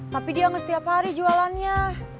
tapi dia setiap hari jualannya